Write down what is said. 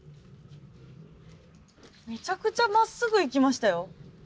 めちゃくちゃまっすぐ行きましたよ。